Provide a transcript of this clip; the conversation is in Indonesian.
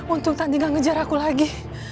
untung tadi gak ngejar aku lagi